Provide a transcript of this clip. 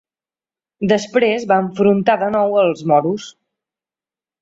Després va enfrontar de nou als moros.